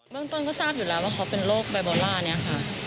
เมืองต้นก็ทราบอยู่แล้วว่าเขาเป็นโรคไบโบล่านี้ค่ะ